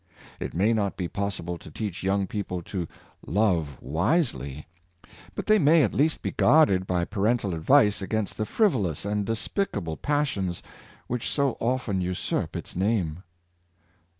It may not be possible to teach young people to love wisely, but they may at least be guarded by parental advice against the frivolous and despicable passions which so often usurp its name.